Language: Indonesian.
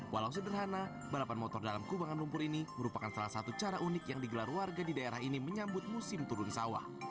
walau sederhana balapan motor dalam kubangan lumpur ini merupakan salah satu cara unik yang digelar warga di daerah ini menyambut musim turun sawah